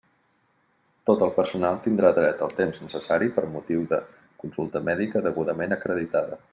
Tot el personal tindrà dret al temps necessari per motiu de consulta mèdica degudament acreditada.